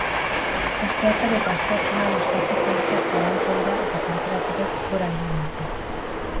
Asteartean eta asteazkenean ostarte politak zabalduko dira eta tenperaturek gora egingo dute.